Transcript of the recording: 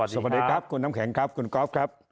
สวัสดีครับคุณน้ำแข็งครับคุณก๊อฟครับ